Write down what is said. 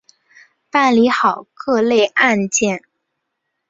办理好各类案件